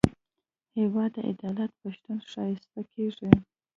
هېواد د عدالت په شتون ښایسته کېږي.